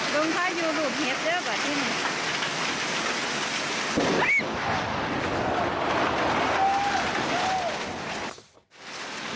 ลุงพ่ายูหูเห็บเยอะกว่าที่มีสัก